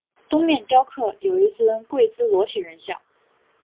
东面雕刻有一尊跪姿裸体人像。